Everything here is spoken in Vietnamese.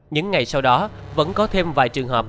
những ngày sau đó vẫn có thêm vài trường hợp